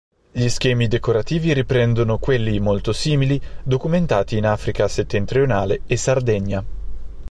Gli schemi decorativi riprendono quelli, molto simili, documentati in Africa settentrionale e Sardegna.